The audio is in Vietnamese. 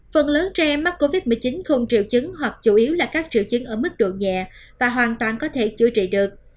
phần lớn trẻ mắc covid một mươi chín không triệu chứng hoặc chủ yếu là các triệu chứng ở mức độ nhẹ và hoàn toàn có thể chữa trị được